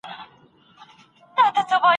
د فکري ودي لپاره پوښتني مطرح کېږي.